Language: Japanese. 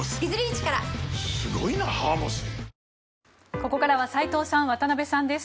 ここからは斎藤さん、渡辺さんです。